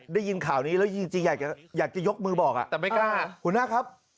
ได้ยินข่าวนี้แล้วจริงอยากจะยกมือบอก